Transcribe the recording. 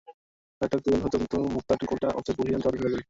আরেকটা গোলও হতো, কিন্তু মোরাতার গোলটা অফসাইডের ভুল সিদ্ধান্তে বাতিল হয়ে যায়।